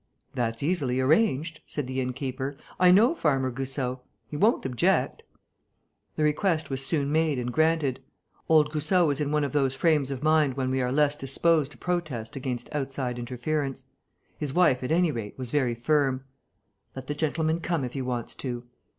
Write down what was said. "That's easily arranged," said the inn keeper. "I know Farmer Goussot.... He won't object...." The request was soon made and granted. Old Goussot was in one of those frames of mind when we are less disposed to protest against outside interference. His wife, at any rate, was very firm: "Let the gentleman come, if he wants to."